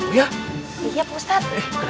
iya pak ustadz